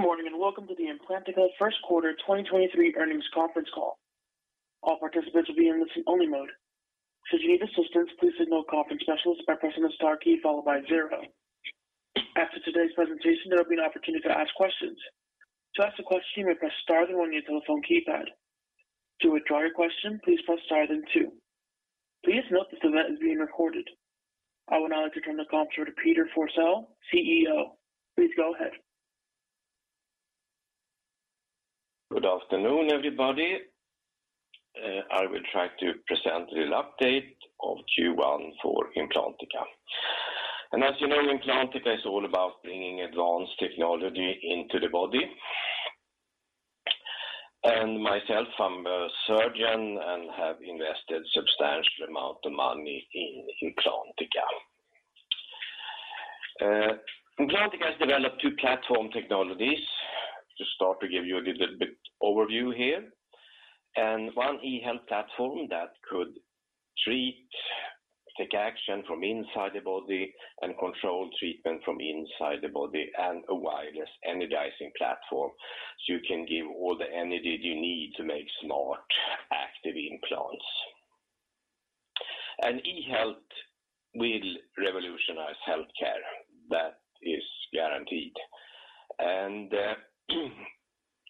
Good morning, and welcome to the Implantica first quarter 2023 earnings conference call. All participants will be in listen only mode. Should you need assistance, please signal a conference specialist by pressing the star key followed by zero. After today's presentation, there will be an opportunity to ask questions. To ask a question, you may press star then one on your telephone keypad. To withdraw your question, please press star then two. Please note this event is being recorded. I would now like to turn the conference over to Peter Forsell, CEO. Please go ahead. Good afternoon, everybody. I will try to present a little update of Q1 for Implantica. As you know, Implantica is all about bringing advanced technology into the body. Myself, I'm a surgeon and have invested substantial amount of money in Implantica. Implantica has developed two platform technologies. To start to give you a little bit overview here. One eHealth platform that could treat, take action from inside the body and control treatment from inside the body, and a wireless energizing platform. You can give all the energy you need to make smart, active implants. eHealth will revolutionize healthcare. That is guaranteed.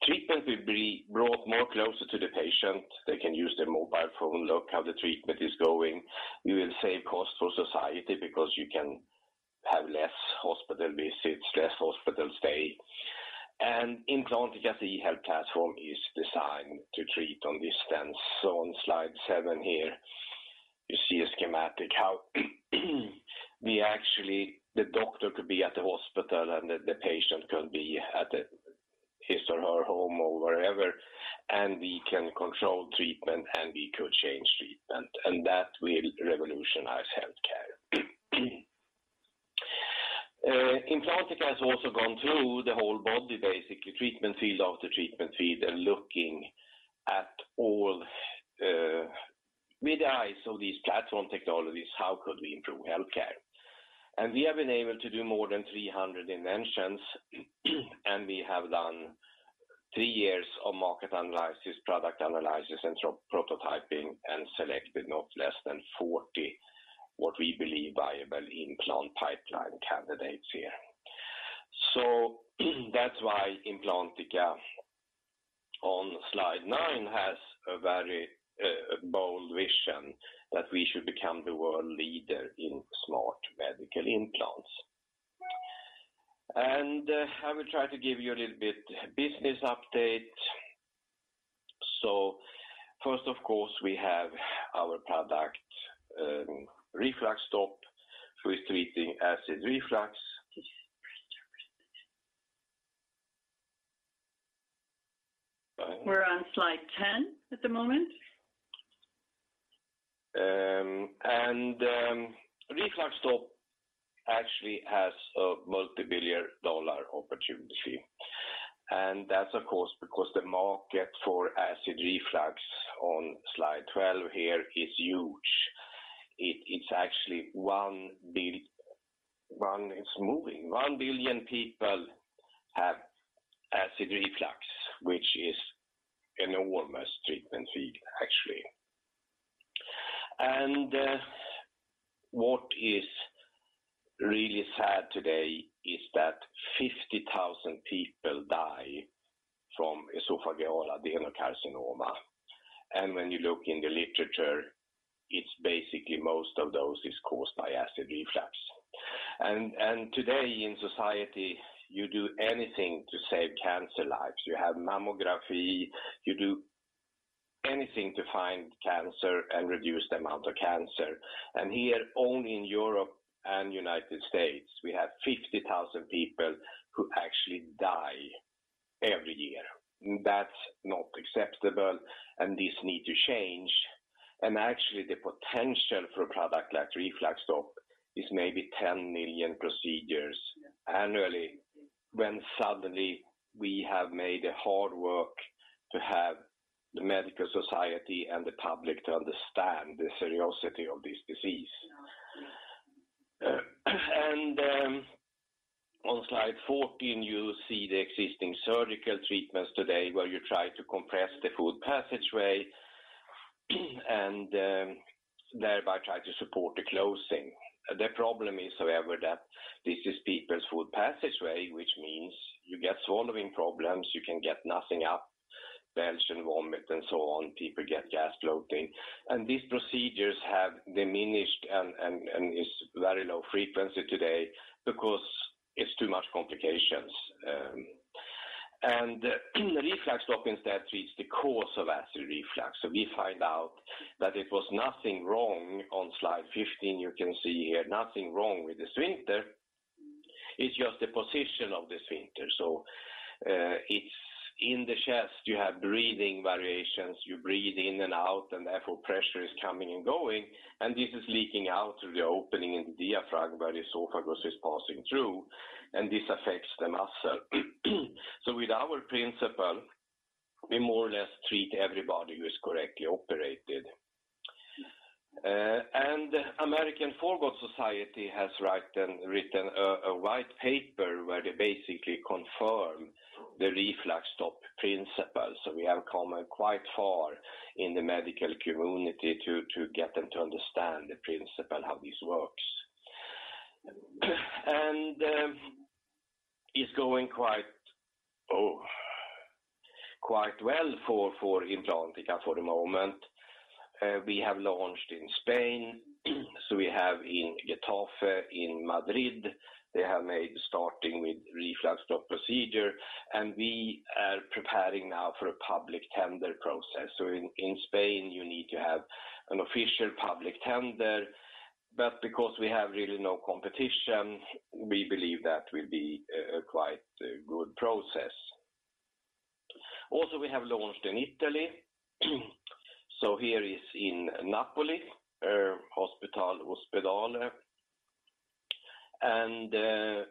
Treatment will be brought more closer to the patient. They can use their mobile phone, look how the treatment is going. We will save costs for society because you can have less hospital visits, less hospital stay. Implantica's eHealth platform is designed to treat on distance. On slide seven here, you see a schematic how we the doctor could be at the hospital and the patient could be at his or her home or wherever, and we can control treatment and we could change treatment. That will revolutionize healthcare. Implantica has also gone through the whole body, basically treatment field after treatment field, and looking at all with the eyes of these platform technologies, how could we improve healthcare? We have been able to do more than 300 inventions, and we have done three years of market analysis, product analysis, and prototyping, and selected not less than 40, what we believe viable implant pipeline candidates here. That's why Implantica, on slide nine, has a very bold vision that we should become the world leader in smart medical implants. I will try to give you a little bit business update. First, of course, we have our product, RefluxStop. It's treating acid reflux. We're on slide 10 at the moment. RefluxStop actually has a multi-billion dollar opportunity. That's of course, because the market for acid reflux, on slide 12 here, is huge. It's actually 1 billion people have acid reflux, which is enormous treatment fee, actually. What is really sad today is that 50,000 people die from esophageal adenocarcinoma. When you look in the literature, it's basically most of those is caused by acid reflux. Today in society, you do anything to save cancer lives. You have mammography. You do anything to find cancer and reduce the amount of cancer. Here, only in Europe and United States, we have 50,000 people who actually die every year. That's not acceptable, and this need to change. Actually, the potential for a product like RefluxStop is maybe 10 million procedures annually. Suddenly we have made a hard work to have the medical society and the public to understand the seriousness of this disease. On slide 14, you see the existing surgical treatments today where you try to compress the food passageway and thereby try to support the closing. The problem is, however, that this is people's food passageway, which means you get swallowing problems. You can get nothing up, belch and vomit and so on. People get gas bloating. These procedures have diminished and is very low frequency today because it's too much complications. RefluxStop instead treats the cause of acid reflux. We find out that it was nothing wrong. On slide 15, you can see here nothing wrong with the sphincter. It's just the position of the sphincter. It's in the chest. You have breathing variations. You breathe in and out, therefore pressure is coming and going. This is leaking out through the opening in the diaphragm where the esophagus is passing through, and this affects the muscle. With our principle, we more or less treat everybody who is correctly operated. American Foregut Society has written a white paper where they basically confirm the RefluxStop principle. We have come quite far in the medical community to get them to understand the principle, how this works. It's going quite well for Implantica for the moment. We have launched in Spain. We have in Getafe in Madrid, they have made starting with RefluxStop procedure, and we are preparing now for a public tender process. In Spain, you need to have an official public tender. Because we have really no competition, we believe that will be a quite good process. We have launched in Italy. Here is in Napoli hospital, Ospedale.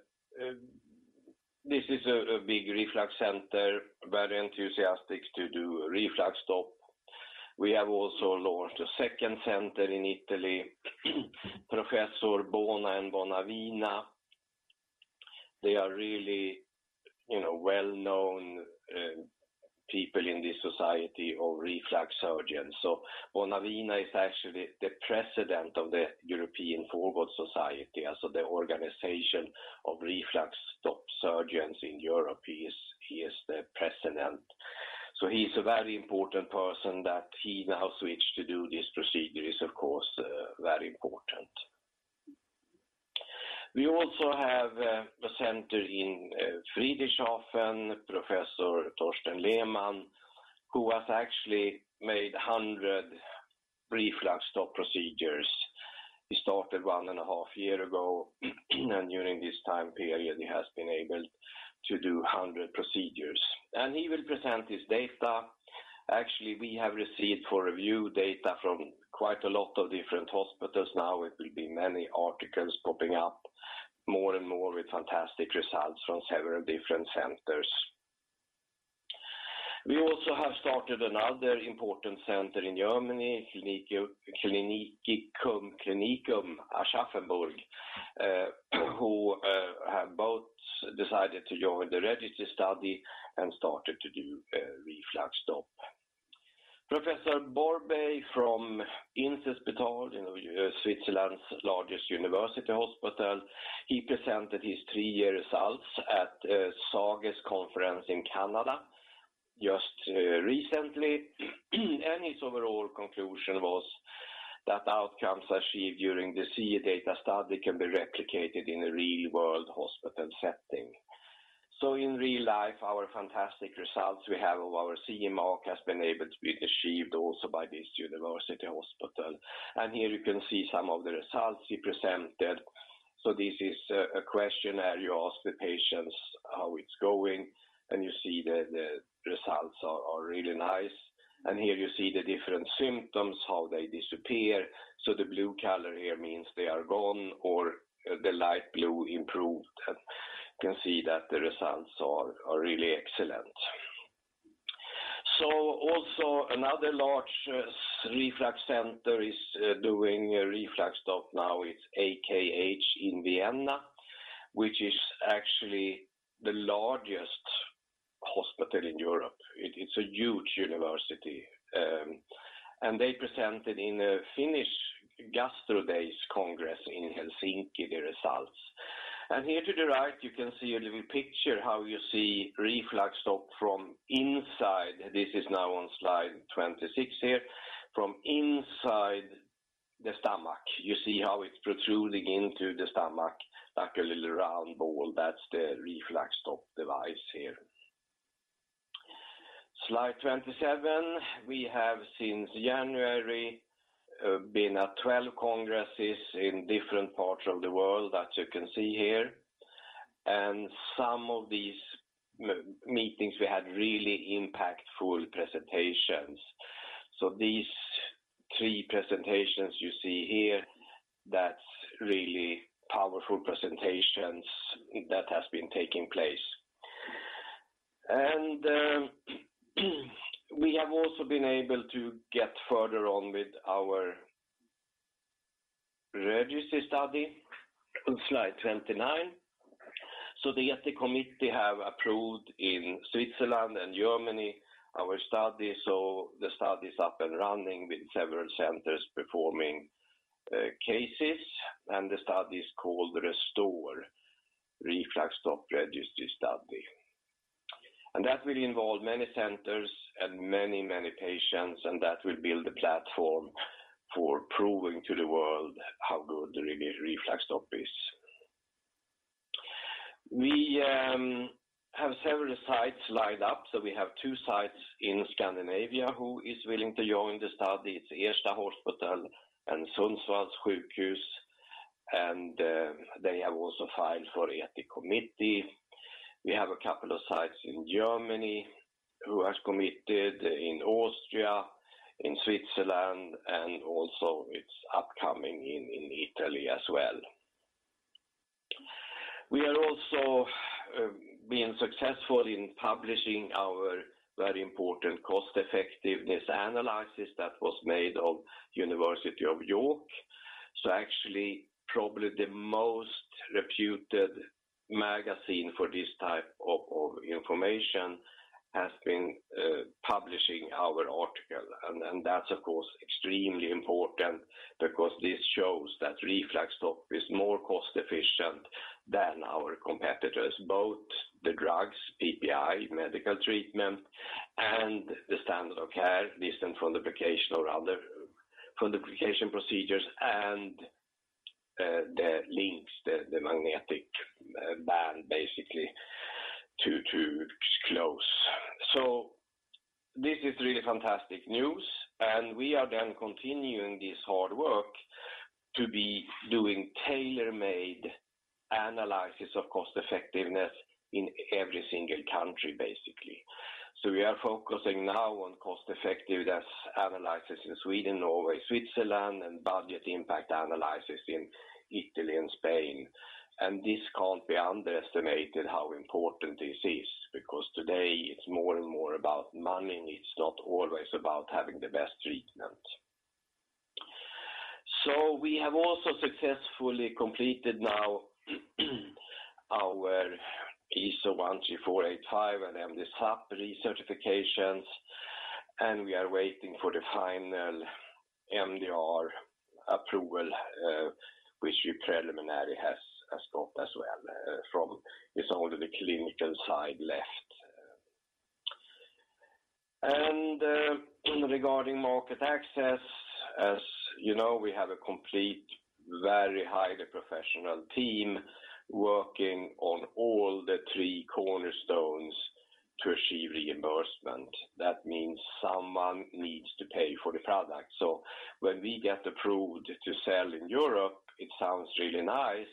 This is a big reflux center, very enthusiastic to do RefluxStop. We have also launched a second center in Italy. Professor Bona and Bonavina, they are really, you know, well-known people in this society of reflux surgeons. Bonavina is actually the president of the European Foregut Society. The organization of RefluxStop surgeons in Europe, he is the president. He's a very important person that he now switched to do this procedure is of course very important. We also have the center in Friedrichshafen, Professor Thorsten Lehmann, who has actually made 100 RefluxStop procedures. He started 1.5 years ago. During this time period, he has been able to do 100 procedures. He will present his data. Actually, we have received for review data from quite a lot of different hospitals now. It will be many articles popping up more and more with fantastic results from several different centers. We also have started another important center in Germany, Klinikum Aschaffenburg, who have both decided to join the registry study and started to do RefluxStop. Professor Borbély from Inselspital, you know, Switzerland's largest university hospital. He presented his three-year results at SaGES conference in Canada just recently. His overall conclusion was that outcomes achieved during the CE data study can be replicated in a real-world hospital setting. In real life, our fantastic results we have of our CE mark has been able to be achieved also by this university hospital. Here you can see some of the results he presented. This is a questionnaire. You ask the patients how it's going, and you see the results are really nice. Here you see the different symptoms, how they disappear. The blue color here means they are gone or the light blue improved. You can see that the results are really excellent. Also another large reflux center is doing a RefluxStop now. It's AKH in Vienna, which is actually the largest hospital in Europe. It's a huge university. They presented in a Finnish Gastro Days Congress in Helsinki, the results. Here to the right, you can see a little picture how you see RefluxStop from inside. This is now on slide 26 here. From inside the stomach, you see how it's protruding into the stomach like a little round ball. That's the RefluxStop device here. Slide 27, we have since January been at 12 congresses in different parts of the world that you can see here. Some of these meetings, we had really impactful presentations. These three presentations you see here, that's really powerful presentations that has been taking place. We have also been able to get further on with our registry study on slide 29. The ethics committee have approved in Switzerland and Germany our study. The study is up and running with several centers performing cases, and the study is called ReStore, RefluxStop Registry Study. That will involve many centers and many, many patients, and that will build a platform for proving to the world how good the RefluxStop is. We have several sites lined up. We have two sites in Scandinavia who is willing to join the study. It's Ersta Hospital and Sundsvalls sjukhus, and they have also filed for ethics committee. We have a couple of sites in Germany who has committed, in Austria, in Switzerland, and also it's upcoming in Italy as well. We are also being successful in publishing our very important cost-effectiveness analysis that was made of University of York. Actually, probably the most reputed magazine for this type of information has been publishing our article. And that's of course, extremely important because this shows that RefluxStop is more cost-efficient than our competitors, both the drugs, PPI, medical treatment, and the standard of care, Nissen fundoplication or other fundoplication procedures and the LINX, the magnetic band basically to close. This is really fantastic news, we are then continuing this hard work to be doing tailor-made analysis of cost-effectiveness in every single country, basically. We are focusing now on cost-effectiveness analysis in Sweden, Norway, Switzerland, and budget impact analysis in Italy and Spain. This can't be underestimated how important this is, because today it's more and more about money. It's not always about having the best treatment. We have also successfully completed now our ISO 13485 and MDSAP recertifications, and we are waiting for the final MDR approval, which we preliminary has got as well. It's only the clinical side left. Regarding market access, as you know, we have a complete, very highly professional team working on all the three cornerstones to achieve reimbursement. That means someone needs to pay for the product. When we get approved to sell in Europe, it sounds really nice.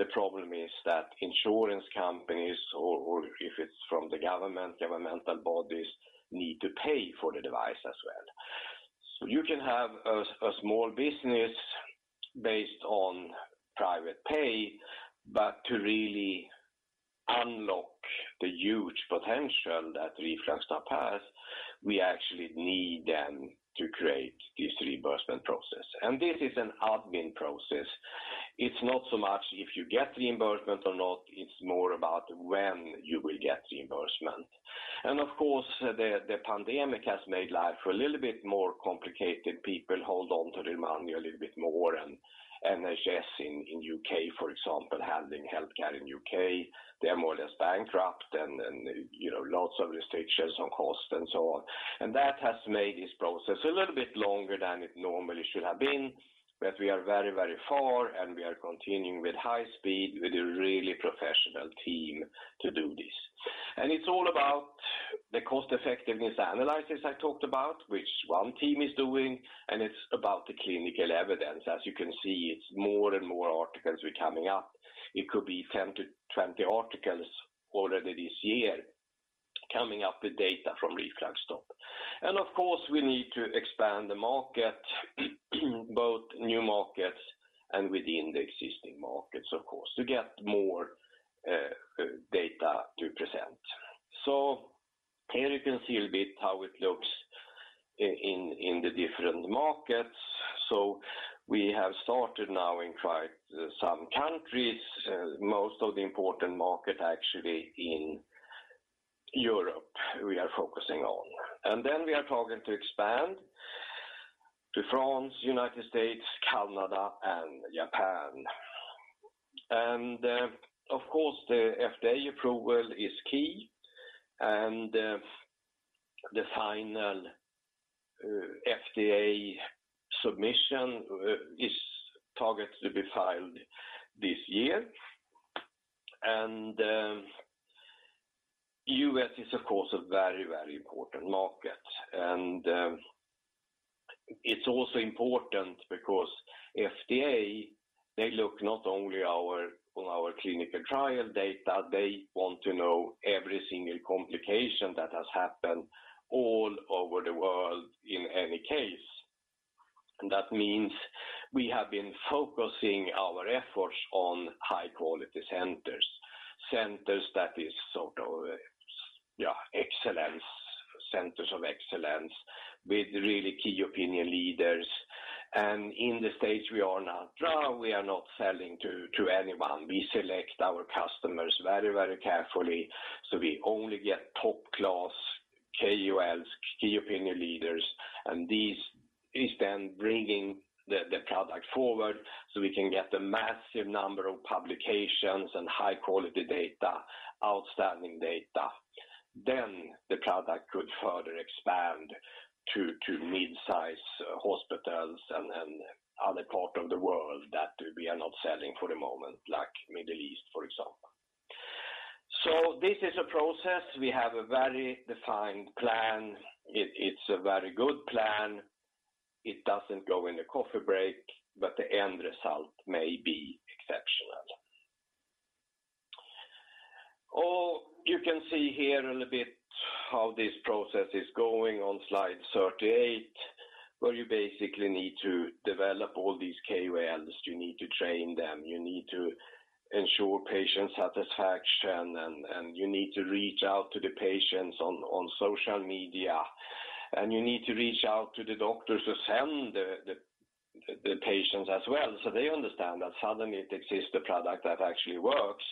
The problem is that insurance companies or if it's from the government, governmental bodies need to pay for the device as well. You can have a small business based on private pay, but to really unlock the huge potential that RefluxStop has, we actually need them to create this reimbursement process. This is an admin process. It's not so much if you get reimbursement or not, it's more about when you will get reimbursement. Of course, the pandemic has made life a little bit more complicated. People hold on to their money a little bit more. NHS in U.K., for example, handling healthcare in U.K., they're more or less bankrupt and, you know, lots of restrictions on cost and so on. That has made this process a little bit longer than it normally should have been. We are very, very far and we are continuing with high speed with a really professional team to do this. It's all about the cost effectiveness analysis I talked about, which one team is doing, and it's about the clinical evidence. As you can see, it's more and more articles were coming up. It could be 10-20 articles already this year coming up with data from RefluxStop. Of course, we need to expand the market, both new markets and within the existing markets, of course, to get more data to present. Here you can see a bit how it looks in the different markets. We have started now in quite some countries, most of the important market actually in Europe we are focusing on. Then we are targeted to expand to France, United States, Canada, and Japan. Of course the FDA approval is key and the final FDA submission is targeted to be filed this year. U.S. is of course a very, very important market. It's also important because FDA, they look not only on our clinical trial data, they want to know every single complication that has happened all over the world in any case. That means we have been focusing our efforts on high quality centers. Centers that is sort of, yeah, excellence, centers of excellence with really key opinion leaders. In the States we are not drawing, we are not selling to anyone. We select our customers very, very carefully. We only get top class KOLs, key opinion leaders, and these is then bringing the product forward so we can get the massive number of publications and high quality data, outstanding data. The product could further expand to mid-size hospitals and then other part of the world that we are not selling for the moment, like Middle East, for example. This is a process. We have a very defined plan. It's a very good plan. It doesn't go in a coffee break, but the end result may be exceptional. Oh, you can see here a little bit how this process is going on slide 38, where you basically need to develop all these KOLs. You need to train them, you need to ensure patient satisfaction, and you need to reach out to the patients on social media. You need to reach out to the doctors who send the patients as well, so they understand that suddenly it exists, the product that actually works.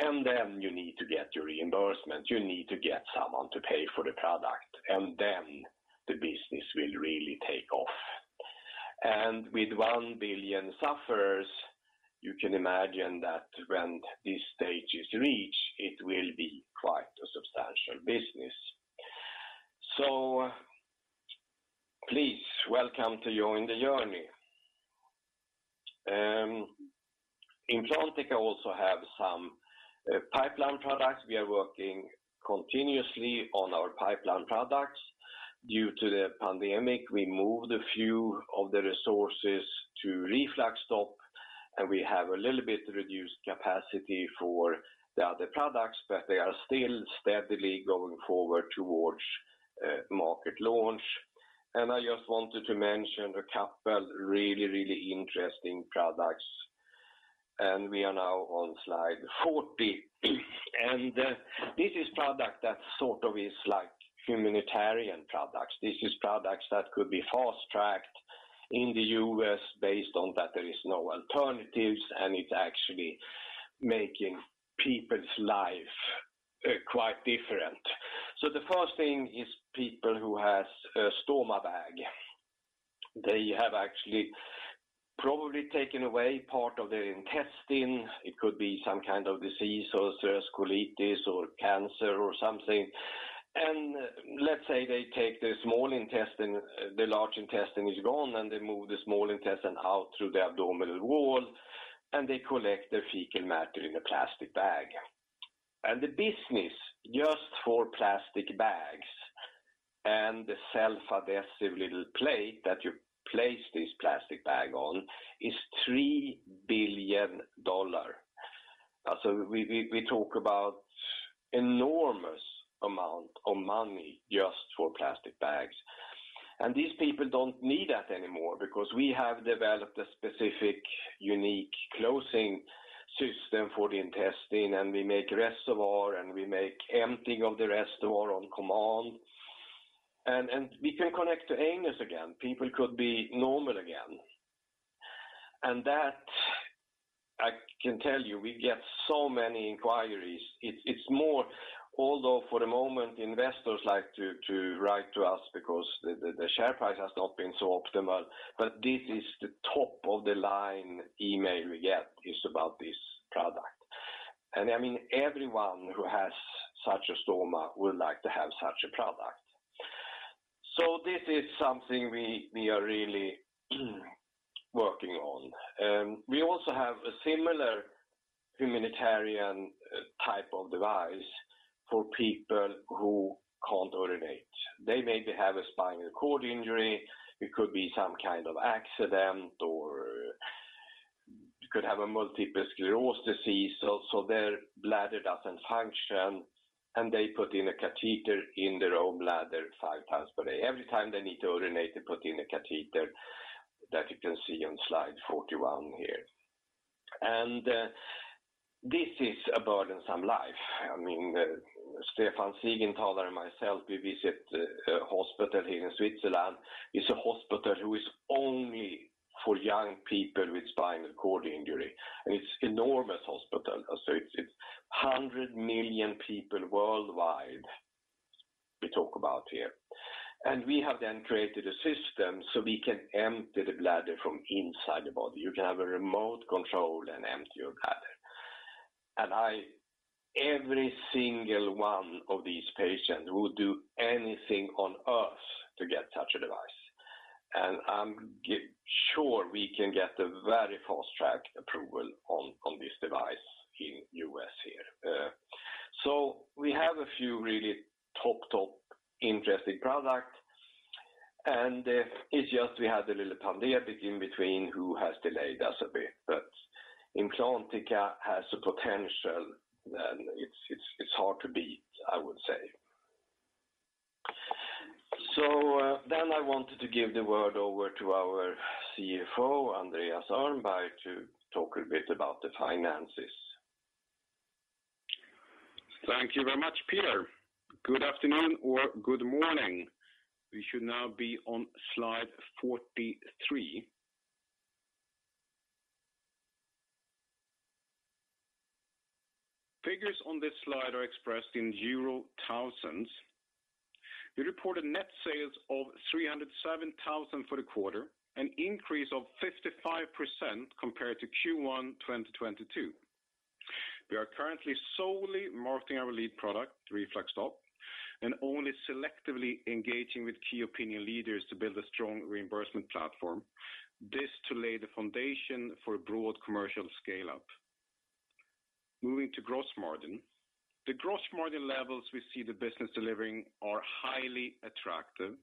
Then you need to get your reimbursement. You need to get someone to pay for the product. Then the business will really take off. With 1 billion sufferers, you can imagine that when this stage is reached, it will be quite a substantial business. Please, welcome to you in the journey. Implantica also have some pipeline products. We are working continuously on our pipeline products. Due to the pandemic, we moved a few of the resources to RefluxStop, and we have a little bit reduced capacity for the other products, but they are still steadily going forward towards market launch. I just wanted to mention a couple really, really interesting products. We are now on slide 40. This is product that sort of is like humanitarian products. This is products that could be fast-tracked in the U.S. based on that there is no alternatives, and it's actually making people's life quite different. The first thing is people who has a stoma bag. They have actually probably taken away part of their intestine. It could be some kind of disease or colitis or cancer or something. Let's say they take the small intestine, the large intestine is gone, and they move the small intestine out through the abdominal wall, and they collect the fecal matter in a plastic bag. The business just for plastic bags and the self-adhesive little plate that you place this plastic bag on is $3 billion. We talk about enormous amount of money just for plastic bags. These people don't need that anymore because we have developed a specific, unique closing system for the intestine, and we make reservoir, and we make emptying of the reservoir on command. We can connect to anus again. People could be normal again. That, I can tell you, we get so many inquiries. It's more... Although for the moment, investors like to write to us because the, the share price has not been so optimal, but this is the top-of-the-line email we get is about this product. I mean, everyone who has such a stoma would like to have such a product. This is something we are really working on. We also have a similar humanitarian type of device for people who can't urinate. They maybe have a spinal cord injury. It could be some kind of accident or could have a multiple sclerosis disease. Their bladder doesn't function, and they put in a catheter in their own bladder 5 times per day. Every time they need to urinate, they put in a catheter that you can see on slide 41 here. This is a burdensome life. I mean, Stephan Siegenthaler and myself, we visit a hospital here in Switzerland. It's a hospital who is only for young people with spinal cord injury. It's enormous hospital. It's 100 million people worldwide we talk about here. We have then created a system so we can empty the bladder from inside the body. You can have a remote control and empty your bladder. Every single one of these patients would do anything on earth to get such a device. I'm sure we can get a very fast-track approval on this device in U.S. here. So we have a few really top interesting product. It's just we had a little pandemic in between who has delayed us a bit. Implantica has a potential, and it's hard to beat, I would say. I wanted to give the word over to our CFO, Andreas Öhrnberg, to talk a bit about the finances. Thank you very much, Peter. Good afternoon or good morning. We should now be on slide 43. Figures on this slide are expressed in euro thousands. We reported net sales of 307,000 for the quarter, an increase of 55% compared to Q1 2022. We are currently solely marketing our lead product, RefluxStop, and only selectively engaging with key opinion leaders to build a strong reimbursement platform. This to lay the foundation for broad commercial scale-up. Moving to gross margin. The gross margin levels we see the business delivering are highly attractive.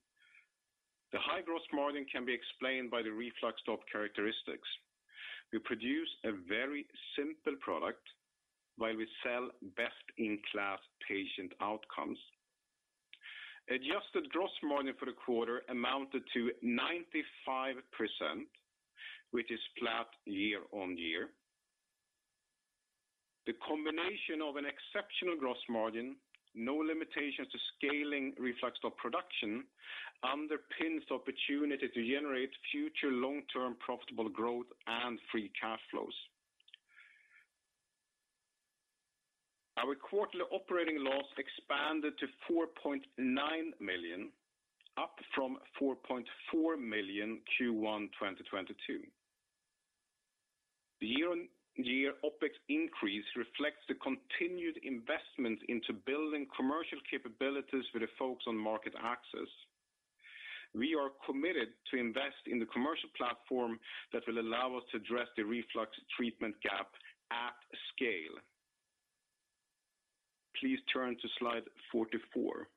The high gross margin can be explained by the RefluxStop characteristics. We produce a very simple product while we sell best in class patient outcomes. Adjusted gross margin for the quarter amounted to 95%, which is flat year-on-year. The combination of an exceptional gross margin, no limitations to scaling RefluxStop production underpins opportunity to generate future long-term profitable growth and free cash flows. Our quarterly operating loss expanded to 4.9 million, up from 4.4 million Q1 2022. The year-over-year OpEx increase reflects the continued investment into building commercial capabilities with a focus on market access. We are committed to invest in the commercial platform that will allow us to address the reflux treatment gap at scale. Please turn to slide 44.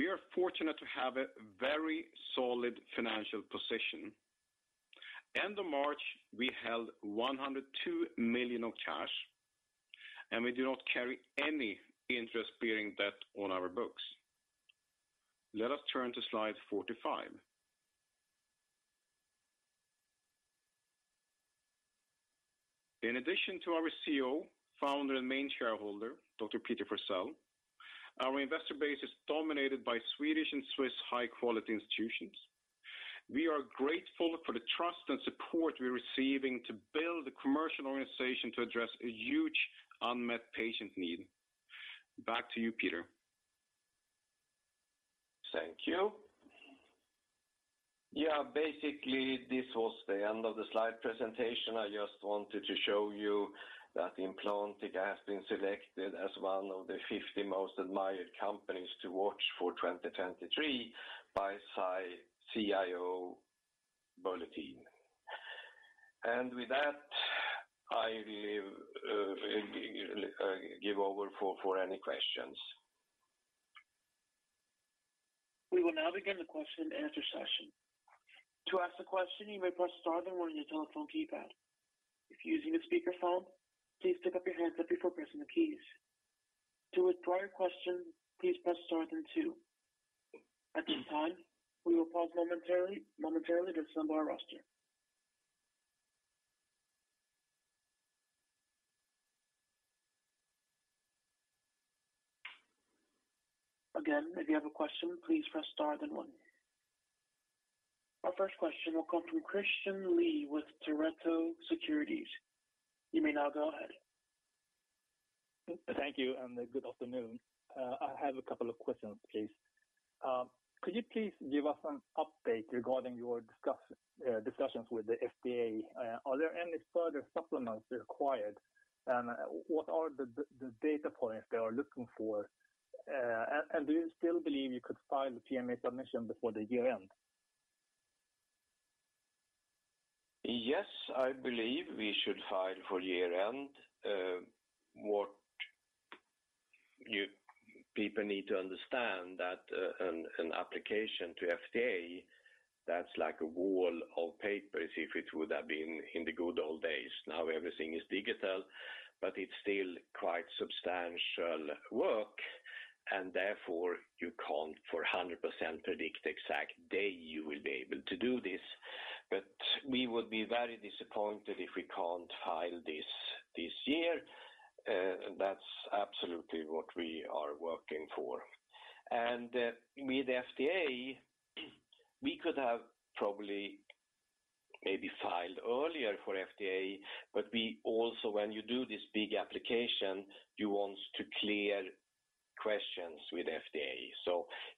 We are fortunate to have a very solid financial position. End of March, we held 102 million of cash, and we do not carry any interest bearing debt on our books. Let us turn to slide 45. In addition to our CEO, founder, and main shareholder, Dr. Peter Forsell. Our investor base is dominated by Swedish and Swiss high quality institutions. We are grateful for the trust and support we're receiving to build a commercial organization to address a huge unmet patient need. Back to you, Peter. Thank you. Yeah, basically, this was the end of the slide presentation. I just wanted to show you that Implantica has been selected as one of the 50 Most Admired Companies to Watch for 2023 by CIO Bulletin. With that, I leave, give over for any questions. We will now begin the question and answer session. To ask a question, you may press star then one on your telephone keypad. If using a speakerphone, please pick up your handset before pressing the keys. To withdraw your question, please press star then two. At this time, we will pause momentarily to assemble our roster. Again, if you have a question, please press star then one. Our first question will come from Christian Lee with Pareto Securities. You may now go ahead. Thank you, and good afternoon. I have a couple of questions, please. Could you please give us an update regarding your discussions with the FDA? Are there any further supplements required? What are the data points they are looking for? Do you still believe you could file the PMA submission before the year-end? Yes, I believe we should file for year-end. What people need to understand that, an application to FDA, that's like a wall of papers if it would have been in the good old days. Now everything is digital, but it's still quite substantial work, and therefore you can't for 100% predict the exact day you will be able to do this. We would be very disappointed if we can't file this year. That's absolutely what we are working for. With FDA, we could have probably maybe filed earlier for FDA, but we also when you do this big application, you want to clear questions with FDA.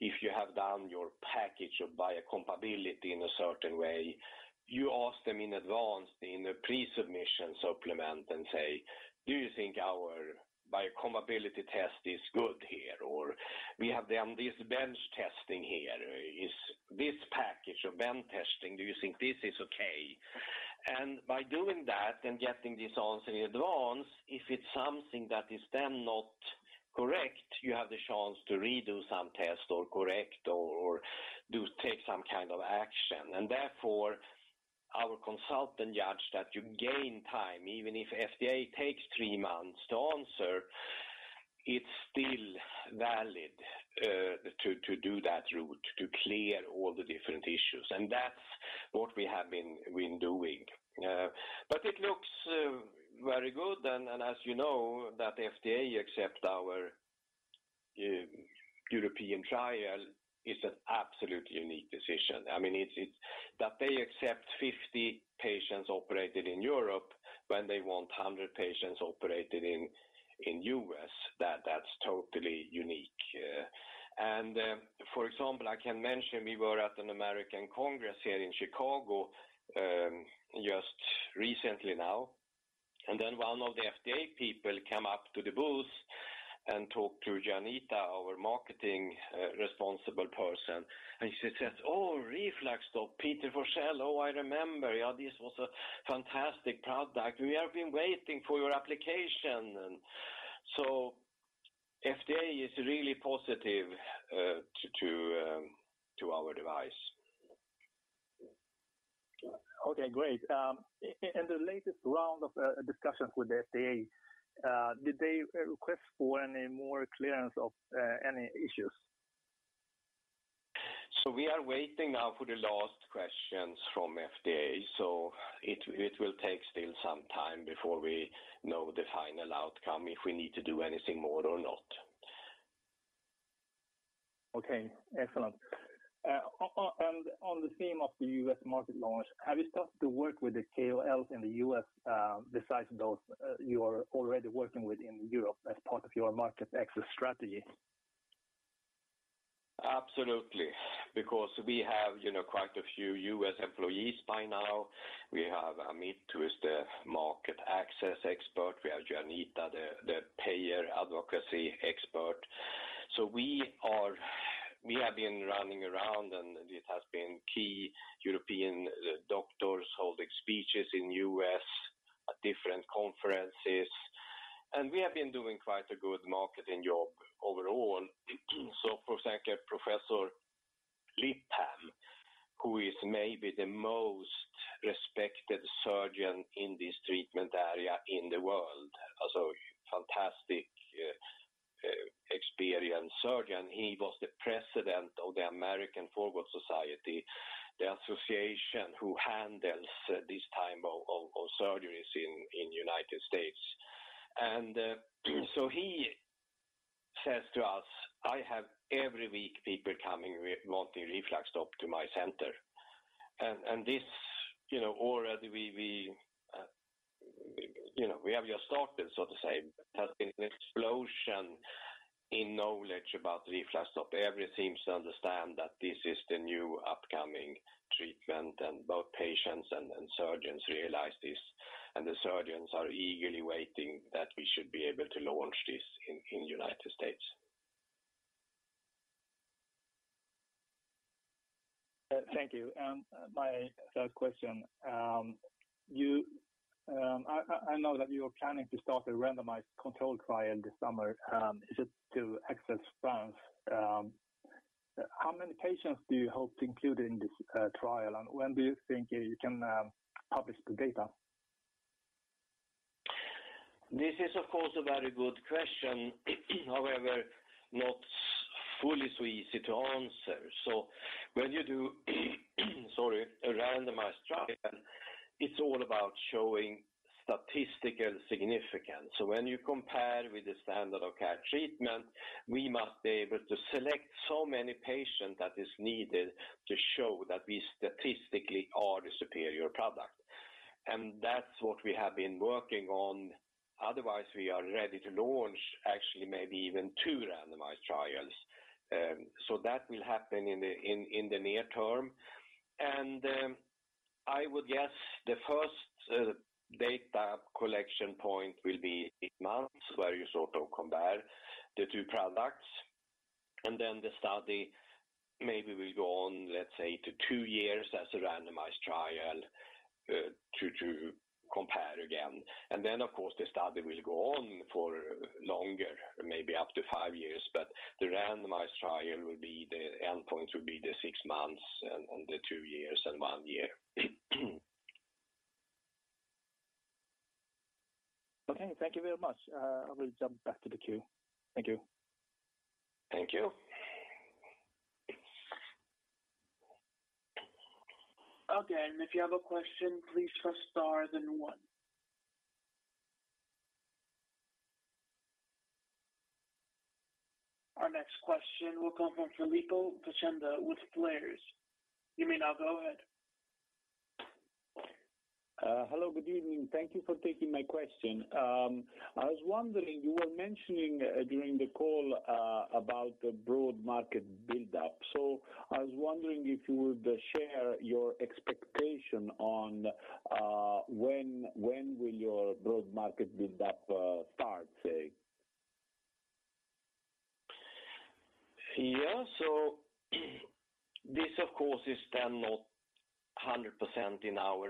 If you have done your package of biocompatibility in a certain way, you ask them in advance in a pre-submission supplement and say, "Do you think our biocompatibility test is good here?" "We have done this bench testing here. Is this package of bench testing, do you think this is okay?" By doing that and getting this answer in advance, if it's something that is then not correct, you have the chance to redo some test or correct or do take some kind of action. Therefore, our consultant judged that you gain time. Even if FDA takes three months to answer, it's still valid to do that route, to clear all the different issues. That's what we have been doing. It looks very good. As you know that FDA accept our European trial is an absolutely unique decision. I mean, it's that they accept 50 patients operated in Europe when they want 100 patients operated in U.S., that's totally unique. For example, I can mention we were at an American Congress here in Chicago just recently now. One of the FDA people came up to the booth and talk to Juanita, our marketing responsible person. She says, "Oh, RefluxStop. Peter Forsell. Oh, I remember. Yeah, this was a fantastic product. We have been waiting for your application." FDA is really positive to our device. Okay, great. In the latest round of discussions with the FDA, did they request for any more clearance of any issues? We are waiting now for the last questions from FDA. It will take still some time before we know the final outcome, if we need to do anything more or not. Okay, excellent. On the theme of the U.S. market launch, have you started to work with the KOLs in the U.S., besides those you are already working with in Europe as part of your market access strategy? Absolutely. Because we have, you know, quite a few U.S. employees by now. We have Amit, who is the market access expert. We have Juanita, the payer advocacy expert. We have been running around, and it has been key European doctors holding speeches in U.S. at different conferences. We have been doing quite a good marketing job overall. For example, Professor Lipham, who is maybe the most respected surgeon in this treatment area in the world, also fantastic, experienced surgeon. He was the president of the American Foregut Society, the association who handles this type of surgeries in United States. He says to us, "I have every week people wanting RefluxStop to my center." This, you know, already we, you know, we have just started, so to say. There's been an explosion in knowledge about RefluxStop. Everything seems to understand that this is the new upcoming treatment, and both patients and surgeons realize this. The surgeons are eagerly waiting that we should be able to launch this in United States. Thank you. My third question. You, I know that you are planning to start a randomized controlled trial this summer, just to access France. How many patients do you hope to include in this trial? When do you think you can publish the data? This is of course a very good question. However, not fully so easy to answer. When you do, sorry, a randomized trial, it's all about showing statistical significance. When you compare with the standard of care treatment, we must be able to select so many patient that is needed to show that we statistically are the superior product. That's what we have been working on. Otherwise, we are ready to launch actually maybe even two randomized trials. That will happen in the near term. I would guess the first data collection point will be eight months, where you sort of compare the two products. The study maybe will go on, let's say, to two years as a randomized trial, to compare again. Of course, the study will go on for longer, maybe up to five years. The randomized trial will be the endpoint will be the six months and the two years and one year. Okay, thank you very much. I will jump back to the queue. Thank you. Thank you. Okay. If you have a question, please press star then one. Our next question will come from Filippo Puccioni with Kepler. You may now go ahead. Hello, good evening. Thank you for taking my question. I was wondering, you were mentioning during the call about the broad market buildup. I was wondering if you would share your expectation on when will your broad market buildup start, say? This of course is then not 100% in our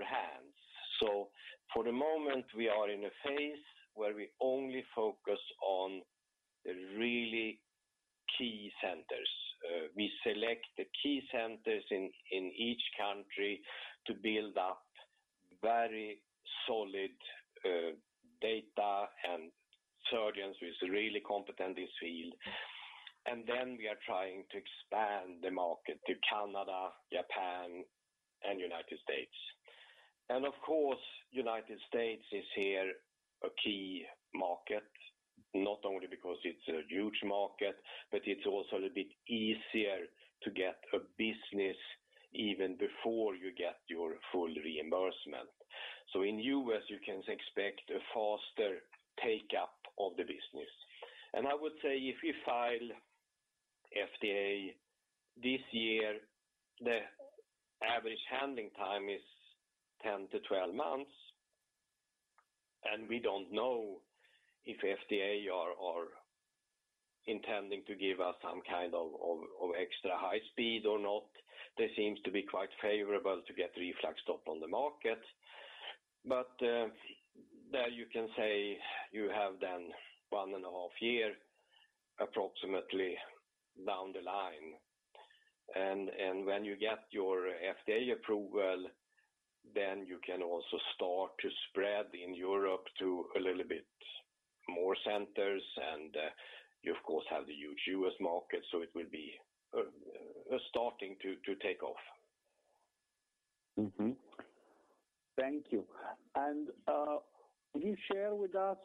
hands. For the moment, we are in a phase where we only focus on the really key centers. We select the key centers in each country to build up very solid data and surgeons who is really competent in this field. We are trying to expand the market to Canada, Japan and United States. United States is here a key market, not only because it's a huge market, but it's also a bit easier to get a business even before you get your full reimbursement. In U.S., you can expect a faster take-up of the business. I would say if we file FDA this year, the average handling time is 10-12 months, and we don't know if FDA are intending to give us some kind of extra high speed or not. They seems to be quite favorable to get RefluxStop on the market. There you can say you have then one and a half year approximately down the line. When you get your FDA approval, then you can also start to spread in Europe to a little bit more centers. You of course, have the huge U.S. market, so it will be starting to take off. Thank you. Can you share with us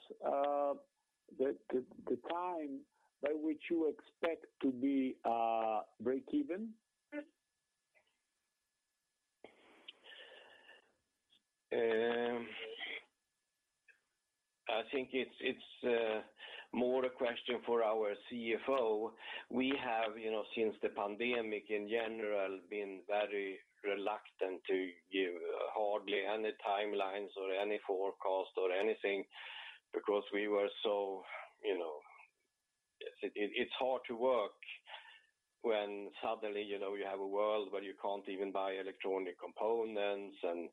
the time by which you expect to be breakeven? I think it's more a question for our CFO. We have, you know, since the pandemic in general been very reluctant to give hardly any timelines or any forecast or anything because we were so, you know. It's hard to work when suddenly, you know, you have a world where you can't even buy electronic components, and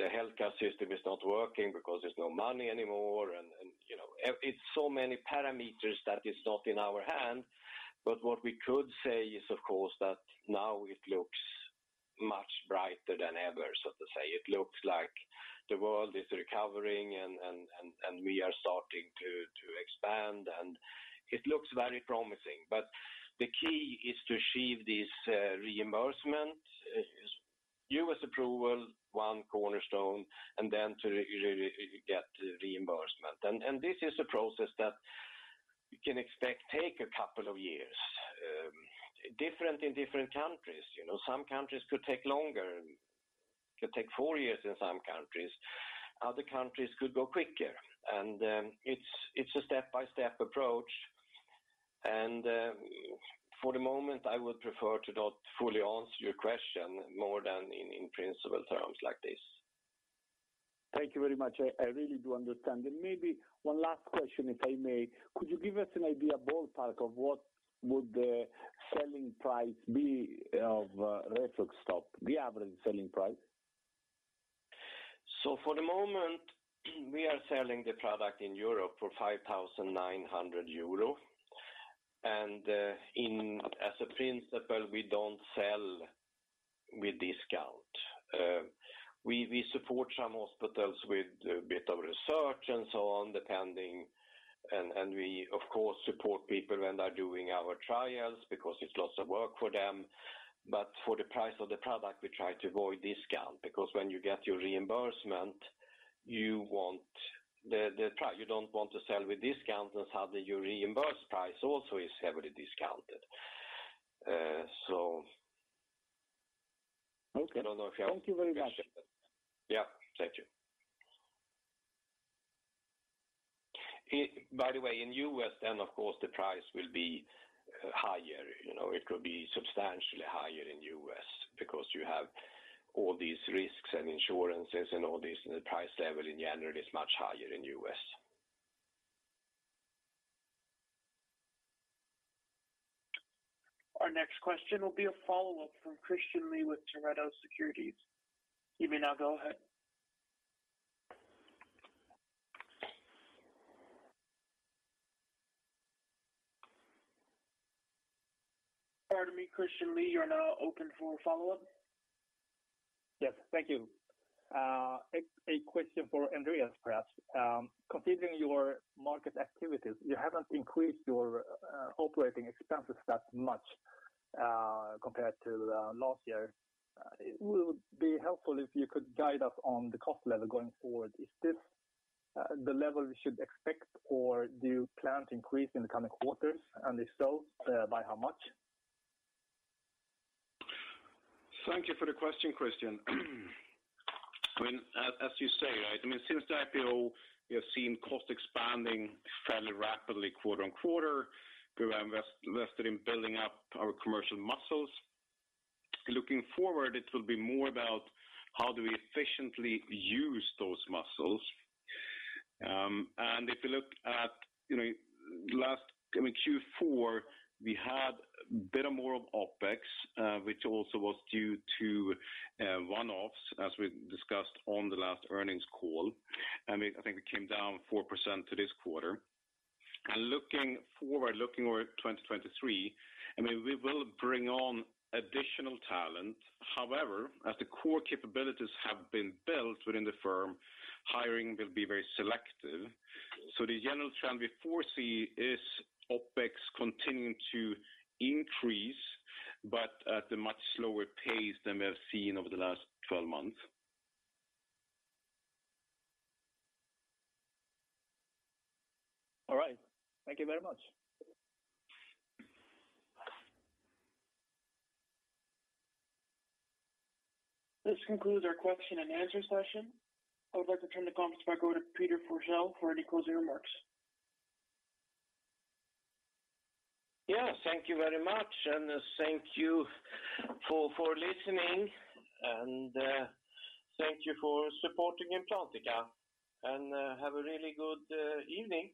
the healthcare system is not working because there's no money anymore. You know, it's so many parameters that is not in our hand. What we could say is, of course, that now it looks much brighter than ever, so to say. It looks like the world is recovering and we are starting to expand, and it looks very promising. The key is to achieve this reimbursement. U.S. approval, one cornerstone, and then to get reimbursement. This is a process that you can expect take a couple of years. Different in different countries. You know, some countries could take longer. It could take 4 years in some countries. Other countries could go quicker. It's a step-by-step approach. For the moment, I would prefer to not fully answer your question more than in principle terms like this. Thank you very much. I really do understand. Maybe one last question, if I may? Could you give us an idea, ballpark of what would the selling price be of RefluxStop, the average selling price? For the moment, we are selling the product in Europe for 5,900 euro. As a principle, we don't sell with discount. We support some hospitals with a bit of research and so on, depending. We of course support people when they're doing our trials because it's lots of work for them. For the price of the product, we try to avoid discount because when you get your reimbursement, you don't want to sell with discount, and suddenly your reimbursed price also is heavily discounted. Okay. I don't know if you understand that. Thank you very much. Yeah. Thank you. By the way, in U.S. of course the price will be higher. You know, it will be substantially higher in U.S. because you have all these risks and insurances and all this, the price level in general is much higher in U.S. Our next question will be a follow-up from Christian Lee with Pareto Securities. You may now go ahead. Pardon me, Christian Lee, you're now open for follow-up. Yes. Thank you. A question for Andreas, perhaps. Considering your market activities, you haven't increased your operating expenses that much, compared to last year. It would be helpful if you could guide us on the cost level going forward. Is this the level we should expect, or do you plan to increase in the coming quarters? If so, by how much? Thank you for the question, Christian. I mean, as you say, right, I mean, since the IPO, we have seen cost expanding fairly rapidly quarter on quarter. We have invested in building up our commercial muscles. Looking forward, it will be more about how do we efficiently use those muscles. If you look at, you know, last, I mean, Q4, we had a bit more of OpEx, which also was due to one-offs, as we discussed on the last earnings call. I mean, I think it came down 4% to this quarter. Looking forward, looking forward to 2023, I mean, we will bring on additional talent. However, as the core capabilities have been built within the firm, hiring will be very selective. The general trend we foresee is OpEx continuing to increase but at a much slower pace than we have seen over the last 12 months. All right. Thank you very much. This concludes our question and answer session. I would like to turn the conference back over to Peter Forsell for any closing remarks. Yeah. Thank you very much. Thank you for listening. Thank you for supporting Implantica. Have a really good evening.